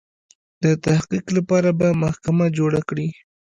د تحقیق لپاره به محکمه جوړه کړي.